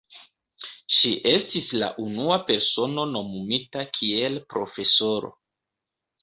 Ŝi estis la unua persono nomumita kiel profesoro.